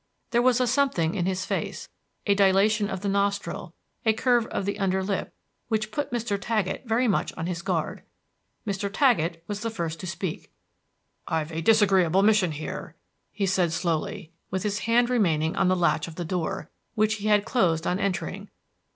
There was a something in his face a dilation of the nostril, a curve of the under lip which put Mr. Taggett very much on his guard. Mr. Taggett was the first to speak. "I've a disagreeable mission here," he said slowly, with his hand remaining on the latch of the door, which he had closed on entering.